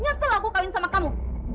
nyesel aku kawin sama kamu